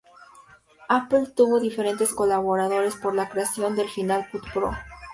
Apple tuvo diferentes colaboradores para la creación de Final Cut Pro.